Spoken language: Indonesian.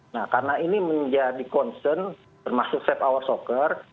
nah karena ini menjadi concern termasuk safe hour soccer